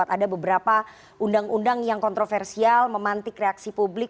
ada beberapa undang undang yang kontroversial memantik reaksi publik